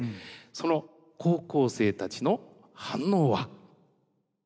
その高校生たちの反応は？